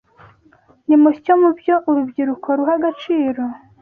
Nimutyo mu byo urubyiruko ruha agaciro